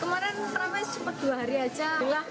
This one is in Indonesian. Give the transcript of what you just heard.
kemarin ramai sempat dua hari saja